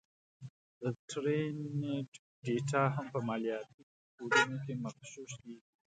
د ټرینډ ډېټا هم په مالياتي کوډونو کې مغشوش کېږي